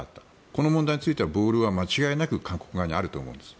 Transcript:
この問題についてはボールは間違いなく韓国側にあると思うんです。